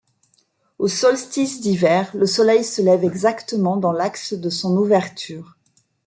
Au solstice d'hiver le soleil se lève exactement dans l'axe de son ouverture.